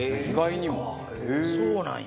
そうなんや。